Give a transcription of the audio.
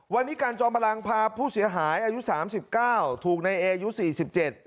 วันนี้การจอมพลังพาผู้เสียหายอายุสามสิบเก้าถูกในเออายุสี่สิบเจ็ด